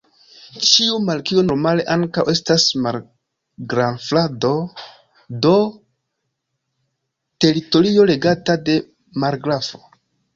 Ĉiu markio normale ankaŭ estas margraflando, do, teritorio regata de margrafo.